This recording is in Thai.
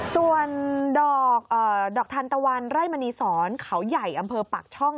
ส่วนดอกทานตะวันไร่มณีสอนเขาใหญ่อำเภอปากช่อง